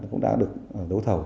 cũng đã được đấu thầu